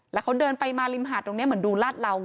แล้วเขาเดินไปมาริมหาดตรงนี้เหมือนดูลาดเหล่า